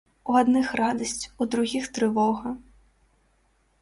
У адных радасць, у другіх трывога.